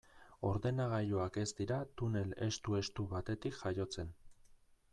Ordenagailuak ez dira tunel estu-estu batetik jaiotzen.